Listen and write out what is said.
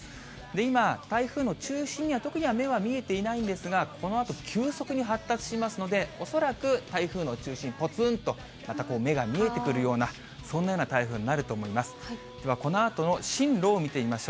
今、台風の中心には、特には目は見えていないんですが、このあと急速に発達しますので、恐らく台風の中心、ぽつんと、またこう目が見えてくるような、そんなような台風になると思います。